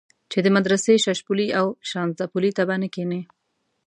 چې د مدرسې ششپولي او شانزدا پلي ته به نه کېنې.